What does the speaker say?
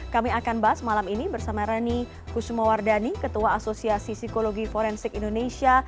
kami akan bahas malam ini bersama reni kusumawardani ketua asosiasi psikologi forensik indonesia